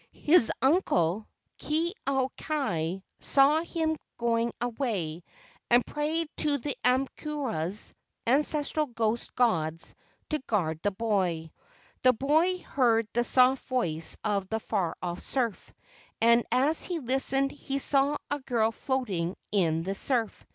His uncle, Ke au kai, saw him going away, and prayed to the aumakuas (ancestral ghost gods) to guard the boy. The boy heard the soft voice of the far off surf, and as he listened he saw a girl floating in the surf.